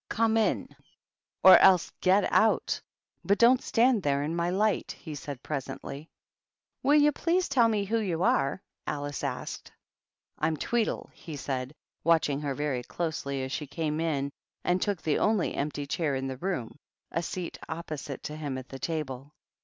"Come in, or else get out; but don't stand there in my light," he said, presently. " Will you please tell me who you are ?" Alice asked. "Fm Tweedle," he said, watching her very closely as she came in and took the only empty chair in the room, a seat opposite to him at the table.